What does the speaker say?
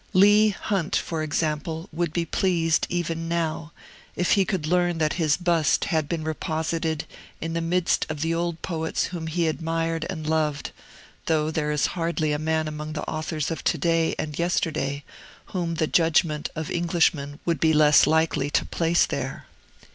Leigh Hunt, for example, would be pleased, even now, if he could learn that his bust had been reposited in the midst of the old poets whom he admired and loved; though there is hardly a man among the authors of to day and yesterday whom the judgment of Englishmen would be less likely to place there.